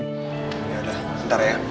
yaudah ntar ya